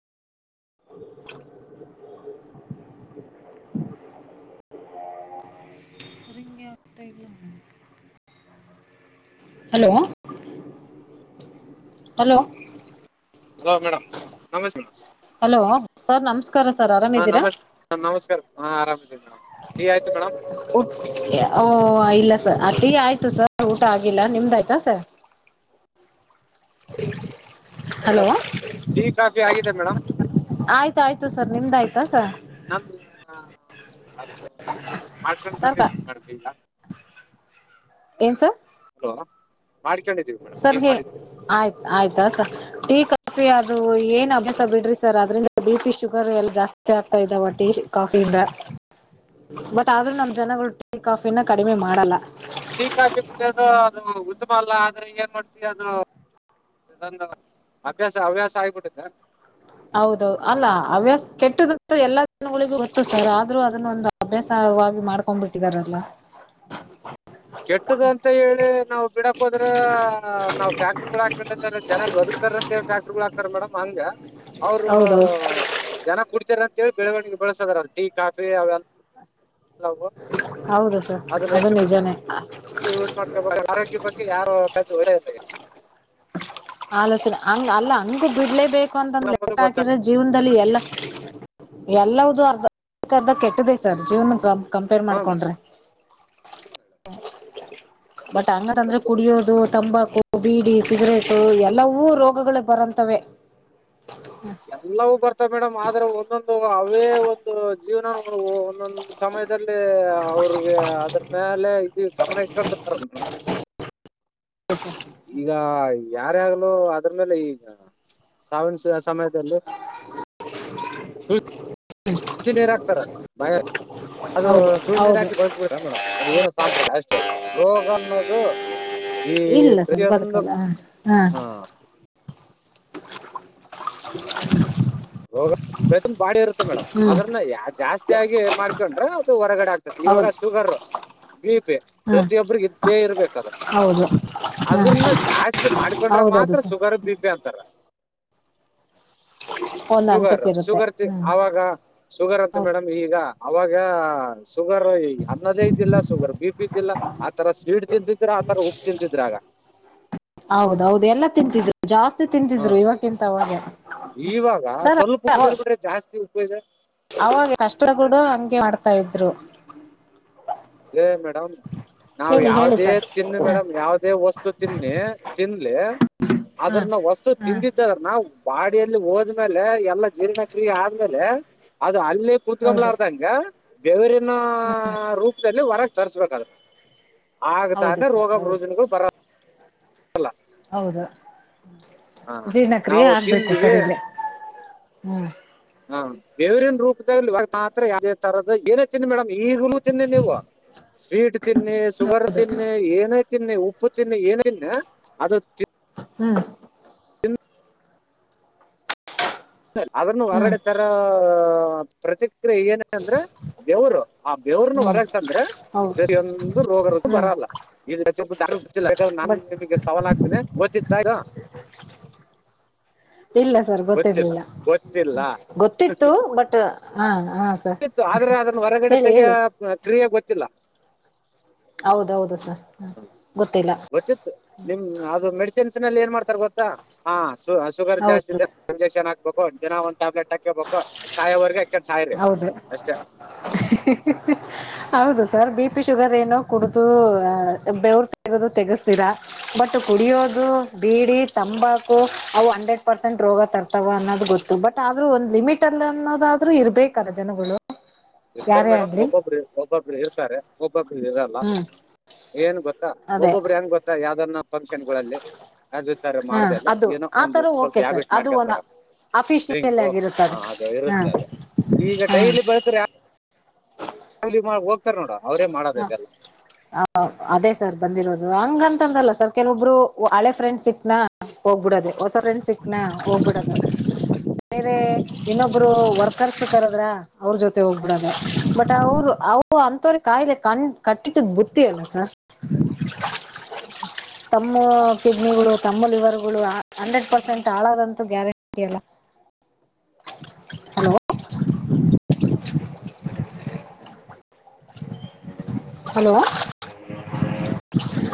[inaudible] ರಿಂಗೇ ಆಗ್ತಾಯಿಲ್ಲಾ. Hello hello. Hello madam ನಮಸ್ತೆೇ madam. Hello sir ನಮಸ್ ಕಾರ ಸರ್ ಆರಾ ಹಾ ನಮಸ್ಕಾರ ನಮಸ್ಕಾರ ಹಾ ಆರಾಮಿದಿನಿ ಮೇಡಮ್ ಟೀ ಆಯ್ತು ಮೇಡಮ್. ಉಟ್ ಓ ಇಲ್ಲ ಸರ್ ಟೀ ಆಯ್ತು ಸರ್ ಊಟ ಆಗಿಲ್ಲ ನಿಮ್ದಾಯ್ತಾ sir. [inaudible] Hello madam tea coffee ಆಗಿದೆ ಮೇಡಮ್. ಆಯ್ತ ಆಯ್ತು ಸರ್ ನಿಮ್ದ ಆಯ್ತಾ ಸರ್ ಸರ್ [unintelligible] ಏನ ಸರ್ ಹಲೋ ಮಾಡ್ಕೊಂಡಿದೀವಿ ಮೇಡಮ್ ಸರ್ ಟೀ ಹೇ ಮಾಡಿದೀವಿ ಆಯ್ತು ಆಯ್ತು ಸರ್ ಟೀ ಕಾಫಿ ಅದು ಏನ್ ಅಭ್ಯಾಸ ಬಿಡ್ರಿ ಸರ್ ಅದ್ರಿಂದ ಬಿ ಪಿ ಶುಗರ್ ಎಲ್ಲ ಜಾಸ್ತಿ ಆಗ್ತಾ ಇದಾವ ಟೀ ಕಾಫಿ ಇಂದಾ ಬಟ್ ಆದ್ರೂ ನಮ್ ಜನಗಳು ಟೀ ಕಾಫಿನ ಕಡಿಮೆ ಮಾಡಲ್ಲಾ. ಟೀ ಕಾಫಿ ಕುಡಿಯೋದು ಉತ್ತಮ ಅಲ್ಲಾ ಆದ್ರೆ ಏನ್ ಮಾಡ್ತೀವಿ ಅದು [unintelligible] ಅಭ್ಯಾಸ ಹವ್ಯಾಸ ಆಗಿ ಬಿಟ್ಟಿತ್ತೆ ಹೌದೌದು ಅಲ್ಲಾ ಹವ್ಯಾಸ ಕೆಟ್ಟದಂತ ಎಲ್ಲಾ ಜಗಳಿಗೆ ಗೋತ್ತು ಸರ್ ಆದ್ರೂ ಅದನ್ನೊಂದು ಅಭ್ಯಾಸವಾಗಿ ಮಾಡ್ಕೊಂಡ್ಬಿಟ್ಟಿದಾರೇಲ್ಲಾ ಕೆಟ್ಟದ ಅಂತ ಹೇಳಿ ನಾವು ಬಿಡಕ್ ಹೋದ್ರ ನಾವು ಫ್ಯಾಕ್ಟ್ರಿ ಹಾಕೊಂಡ [unintelligible] ಜನ ಬದುಕ್ತಾರಂತೆ ಫ್ಯಾಕ್ಟ್ರಿಗಳು ಹಾಕ್ತಾರ ಮೇಡಮ್ ಹಂಗ ಅವ್ರು ಹೌದೌದು ಜನ ಕುಡ್ತಾರೆ ಅಂತೇಳಿ ಬೆಳವಣಿಗೆ ಬೆಳಸದಾರಲ್ಲ ಟೀ ಕಾಫಿ ಅವೆಲ್ಲಾ ಹೌದು ಸರ್ ಅದನ್ನ ಅದು ಎಷ್ಟು ನಿಜಾನೇ ಯೂಸ್ ಮಾಡ್ಕೊ ಆರೋಗ್ಯ ಬಗ್ಗೆ ಯಾರ [unintelligible] ಇಲ್ಲ ಆಲೋಚನೆ ಹಂಗ ಅಲ್ಲ ಹಂಗು ಬಿಡ್ಲೇ ಬೇಕು ಹಾಕೊಂಡ ಬಂದು ಒಳ್ಳೆಂಬುದು ಲೇಟ್ ಗೊತ್ತಲ್ಲ ಹಾಕಿದ್ರೆ ಜೀವನದಲ್ಲಿ ಎಲ್ಲಾ ಎಲ್ಲವುದು ಅರ್ಧ [unintelligible] ಅರ್ಧ ಕೆಟ್ಟದೇ ಸರ್ ಜೀವನ ಕ ಕಂಪೇರ್ ಹಾ ಮೇಡಮ್ ಮಾಡ್ಕೊಂಡ್ರೆ ಬಟ್ ಹಂಗತ್ ಅಂದ್ರೆ ಅದು ಕುಡಿಯೋದು, ತಂಬಾಕು, ಬೀಡಿ, ಸಿಗರೇಟು ಎಲ್ಲವೂ ರೋಗಗಳು ಬರಂತವೆ. ಎಲ್ಲವು ಬರ್ತ ಮೇಡಮ್ ಆದ್ರೆ ಒಂದೊಂದು ಅವೇ ಒಂದು ಜೀವನ ಒಂದೊಂದು ಸಮಯದಲ್ಲಿ ಅವ್ರಿಗೆ ಅದ್ರ ಮೇಲೆ ಇದ ಗಮನ ಇಟ್ಕೊಂಡಿರ್ತಾರ [unintelligible] ಈಗ ಯಾರ್ಯಾಗಲೂ ಅದ್ರ ಮೇಲೆ ಈಗ ಸಾವಿನ ಸಮಯದಲ್ಲಿ [unintelligible] ತುಳಸಿ ನೀರು ಹಾಕ್ತಾರೆ ಅದು ಹೌದು ತುಳಸಿ ನೀರು ಹೌದು ಹಾಕಿ [unintelligible] ಬದು ಬಿಡ ಮೇಡಮ್ ಅದು ಏನು ಸಾಂಪ್ರದಾಯ ಅಷ್ಟೇ ರೋಗ ಅನ್ನೋದು, ಈ ಇಲ್ಲ ಸರ್ ಪ್ರತಿಯೊಂದು ಬದುಕಲ್ಲ ಹ ಹಾ ಹ [inaudible] ರೋಗ [unintelligible] ಬಾಡಿ ಇರುತ್ತೆ ಮೇಡಮ್ ಹ್ಮ್ ಅದ್ರನ್ನ ಜಾಸ್ತಿಯಾಗಿ ಮಾಡ್ಕೊಂಡ್ರ ಅದು ಹೊರಗಡೆ ಆಗ್ತತಿ ಇವಾಗ ಹೌದು ಶುಗರ್ ಬಿಪೆ ಹ್ಮ್ ಪ್ರತಿಯೊಬ್ಬ್ರಿಗೆ ಇದ್ದೇ ಇರ್ಬೇಕ ಅದ್ ಹೌದು ಹಾ ಅದ್ರನ್ನ ಜಾಸ್ತಿ ಮಾಡ್ಕೊಂಡ್ರ ಹೌದೌದು ಮಾತ್ರ ಸರ್ ಶುಗರ್ ಬಿ ಪಿ ಅಂತಾರ. ಒಂದ್ ಹಂತಕ್ಕ ಶುಗರ್ ಇರುತ್ತೆ ಶುಗರ್ ಹ್ಮ್ ಆವಾಗ. ಶುಗರ್ ಅಂತ ಹೌದು ಮೇಡಮ್ ಈಗ ಅವಾಗ ಶುಗರ್ ಅನ್ನದೇ ಇದ್ದಿಲ್ಲ ಶುಗರ್ ಬಿ ಪಿ. [unintelligible] ಆತರಾ ಸ್ಪೀಡ್ ತಿಂತಿದ್ರೆ ಆ ತರಾ ಉಪ್ಪು ತಿಂತಿದ್ರಾ ಆಗ. ಹೌದೌದು ಎಲ್ಲ ತಿಂತಿದ್ರು ಜಾಸ್ತಿ ತಿಂತಿದ್ರು ಇವಕ್ಕಿಂತ ಅವಾಗೆ. ಇವಾಗ ಸ್ವಲ್ಪ ಉಪ್ಪು ತಿಂದ್ ಬಿಟ್ರೆ ಜಾಸ್ತಿ ಉಪ್ಪು ಇದೆ. ಅವಾಗ ಕಷ್ಟ ಕೂಡ ಹಂಗೆ ಆಡ್ತಾ ಇದ್ರು. ಅದೇ ಮೇಡಮ್ ನಾವ್ ಹೇಳಿ ಹೇಳಿ ಯಾವದೇ ಸರ್ ತಿನ್ನು ಹ ಮೇಡಮ್ ಯಾವದೇ ವಸ್ತು ತಿನ್ನಿ ತಿನ್ಲ. ಹಾ ಅದ್ರನ್ನ ವಸ್ತು ಹಾ ತಿಂದಿದ್ದಾರನ ಬಾಡಿಯಲ್ಲಿ ಹೋದ್ಮೇಲೆ ಎಲ್ಲಾ ಜೀರ್ಣಕ್ರಿಯೆ ಆದ್ಮೇಲೆ ಅದು ಅಲ್ಲ. ಹೌದು ಕೂತ್ಕಂಬ್ಲಾರ್ದಂಗ ಬೆವರಿನ ರೂಪದಲ್ಲಿ ಹೊರಗೆ ತರ್ಸ್ಬೇಕಾದ. ಆಗತ ಹೌದು ಅಂದ್ರೆ ಸರ್ ರೋಗ ಹೌದು ಬೋಜನ್ಗಳು ಬರ ಹೌದ ಹಾ ಜೀರ್ಣಕ್ರಿಯೆ ನಾವು ಆಗ್ಬೇಕು ತಿಂದ್ವಿ ಸರಿಲಿ ಹ್ಮ್. ಹಾ ಬೆವರಿನ ರೂಪದಲ್ಲಿ ಯಾವ ತರದ ಏನೇ ತಿನ್ನಿ ಮೇಡಮ್ ಈಗ್ಲೂ ತಿನ್ನಿ ನೀವು. ಸ್ವೀಟ್ ತಿನ್ನಿ ಶುಗರ್ ತಿನ್ನಿ ಏನೇ ತಿನ್ನಿ ಉಪ್ಪು ತಿನ್ನಿ ಏನ ತಿನ್ನಿ ಅದು ಹ್ಮ್ ಅದನ್ನು ಹ್ಮ್ ಹೊರಡೆ ತರ ಪ್ರತಿಕ್ರಿಯೆ ಏನು- ಏಂದ್ರೆ ಬೆವರು ಆ ಬೆವ್ರನು ಹ್ಮ್ ಹೊರಕ್ತಂದ್ರ ಹೌದು ಬೇರೊಂದು ರೋಗರುಋ್ದು ಹ್ಮ್ ಬರಲ್ಲ. ಬಟ್ [unintelligible] ಇಲ್ಲ ಸರ್ ಗೊತ್ತಿಲ್ಲ ಗೊತ್ತಿರ್ಲಿಲ್ಲ. ಗೊತ್ತಿಲ್ಲ ಗೊತ್ತಿತ್ತು ಬಟ್ ಹಾ ಹಾ ಸರ್ ತ್ತು ಆದ್ರೆ ಅದನ್ನ ಹೊರಗಡೆ ಹೇಳಿ ತೆಗೆಯ ಹೇಳಿ ಹ ಕ್ರಿಯಾಗ ಗೊತ್ತಿಲ್ಲ. ಹೌದೌದು ಸರ್ ಗೊತ್ತಿಲ್ಲ. ಗೊತ್ತಿತ್ ನಿಮ ಅದು ಮೆಡಿಸಿನ್ಸ್ ನಲ್ಲಿ ಏನ್ ಮಾಡ್ತಾರ ಗೊತ್ತಾ ಹ ಶುಗರ್ ಜಾಸ್ತಿ ಹೌದು ಇದೆ ಇಂಜೆಕ್ಷನ್ ಹಾಕ್ಬೇಕು. ಹ ದಿನ ಒಂದ ಟ್ಯಾಬ್ಲೆಟ್ ಹಾಕಬೇಕು ಸಾಯವರ್ಗ ಹೌದು ಹೌದು ಸರ್ ಬಿ ಪಿ ಶುಗರ್ ಏನೋ ಕುಡುದು ಬೆೇವರು ತಗದು ತೆಗಸ್ತೀರಾ. ಬಟ್ ಹ್ಮ್ ಕುಡಿಯೋದು ಬೀಡಿ ತಂಬಾಕು ಅವು ಅಂಡ್ರೆಡ್ ಪರ್ಸೆಂಟ್ ರೋಗ ತರ್. ತವಾ ಅನ್ನೋದು ಗೊತ್ತು ಬಟ್ ಆದ್ರೂ ಒಂದ್ ಲಿಮಿಟ್ ಅಲ್ಲಿ ಅನ್ನೋದಾದ್ರೂ ಇರ್ಬೇಕಲ್ಲ ಜನಗಳು. ಇರ್ತಾರೆ ಯಾರೇ ಮೇಡಮ್ ಆಗ್ಲಿ ಒಬ್ಬೊಬ್ಬರು ಒಬ್ಬೊಬ್ರು ಇರ್ತಾರೆ ಒಬ್ಬೊಬ್ರ್ ಇರಲ್ಲಾ. ಹ್ಮ್ ಏನ್ ಗೊತ್ತಾ ಅದೇ ಒಬ್ಬೊಬರು ಹೆಂಗ ಗೊತ್ತಾ ಯಾವ್ದನ್ನ ಫಂಕ್ಷನ್ ಗೊಳಲ್ಲಿ. ಯ ಹಾ ಮಾಡ್ದ ಅದು ಏನೋ ಒಂದ್ ಆತರ ಸ್ವಲ್ಪ ಓಕೆ ಸರ್ ಹ್ಯಾಬಿಟ್ ಅದು ಮಾಡ್ಕೊಂಡ್ ಒಂದು ತಾರೆ ಅಫಿಷಿಯಲ್ ಡ್ರಿಂಕು ಹಾ ಆಗಿರುತ್ತದೆ ಅದು ಇರುತ್ತೆ ಅದು ಹಾ ಈಗ ಡೈಲಿ ಬ ಡೈಲಿ ಹೋಗ್ತಾರೆ ನೋಡ ಅವ್ರೇ ಮಾಡೋಡಿದೆಲ್ಲಾ. [inaudible] ಹ ಅದೇ ಸರ್ ಬಂದಿರೋದು ಹಂಗಂತಂದ್ರಲ್ಲ ಸರ್ ಕೆಲವೊಬ್ರು ಹಳೆ ಫ್ರೆಂಡ್ಸ್ ಸಿಕ್ನಾ. ಹೋಗ್ಬಿಡದೆೇ ಹೊಸ್ರನ್ ಸಿಕ್ನಾ ಹೋಗ್ಬಿಡದೆ. ಬೇರೆ ಇನ್ನೊಬ್ರು ವರ್ಕ್ಸ್ ಇದ್ದಾರಲ್ಲಾ. ಅವ್ರ ಜೊತೆ ಹೋಗ್ಬಿಡದ ಬಟ್ ಅವರು ಅವು ಅಂತವರೀಗ. ಕಾಯಿಲೆ ಕಣ ಕಟ್ಟಿಟ್ಟ ಬುತ್ತಿ ಅಲ್ಲಾ ಸರ್. ತಮ್ಮ ಕಿಡ್ನಿಗಳು ತಮ್ಮ ಲಿವರ್ಗಳು ಹಂಡ್ರೆಡ್ ಪರ್ಸೆಂಟ್ ಹಾಳದಂತೂ ಗ್ಯಾರಂಟಿ ಅಲ್ಲಾ. ಹಲೋ